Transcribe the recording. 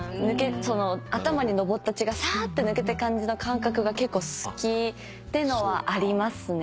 頭に上った血がさって抜けた感じの感覚が結構好きっていうのはありますね。